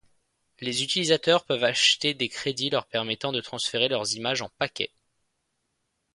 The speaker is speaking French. Les utilisateurs peuvent acheter des crédits leur permettant de transférer leurs images en paquet.